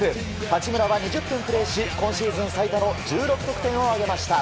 八村は２０分プレーし今シーズン最多の１６得点を挙げました。